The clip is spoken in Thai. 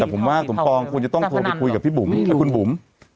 แต่ผมว่าสมปองควรจะต้องโทรไปคุยกับพี่บุ๋มและคุณบุ๋ม